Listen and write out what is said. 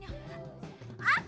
gak sengaja nih mas